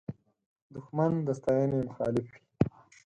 دښمن د ستاینې مخالف وي